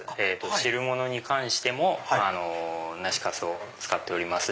汁物に関しても梨粕を使っておりますし。